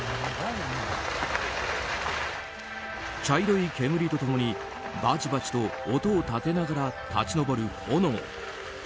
茶色い煙と共にバチバチと音を立てながら立ち上る炎。